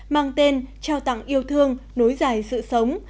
mang tên trao tặng yêu thương nối dài sự sống